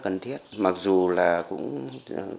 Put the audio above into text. cần thiết mặc dù là cũng